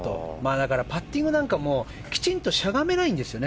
だからパッティングなんかもきちんとしゃがめないんですよ。